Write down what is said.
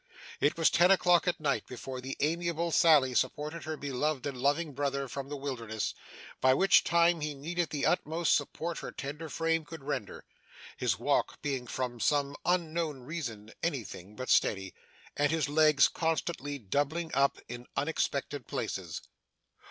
It was ten o'clock at night before the amiable Sally supported her beloved and loving brother from the Wilderness, by which time he needed the utmost support her tender frame could render; his walk being from some unknown reason anything but steady, and his legs constantly doubling up in unexpected places.